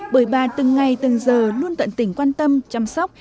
bởi bà từng ngày từng giờ luôn tận tỉnh quan tâm chăm sóc